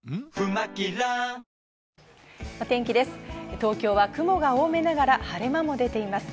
東京は雲が多めながら晴れ間も出ています。